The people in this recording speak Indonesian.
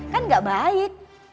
kan gak baik